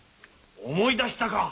思い出したか？